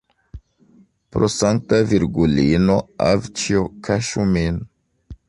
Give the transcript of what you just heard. Pro Sankta Virgulino, avĉjo, kaŝu min!